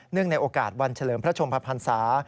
ในโอกาสวันเฉลิมพระชมพันศา